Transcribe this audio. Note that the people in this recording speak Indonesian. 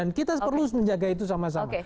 dan kita perlu menjaga itu sama sama